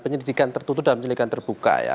penyelidikan tertutup dan penyelidikan terbuka ya